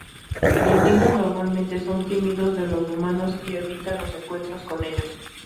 Los dingos normalmente son tímidos de los humanos y evitan los encuentros con ellos.